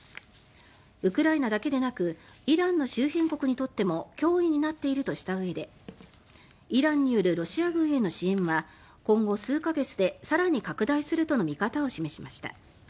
ウクライナだけでなくイランの周辺国にとっても脅威になっているとしたうえでイランによるロシア軍への支援は今後数か月で更に拡大するとの見方を示しました。